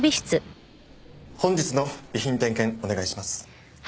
本日の備品点検お願いします。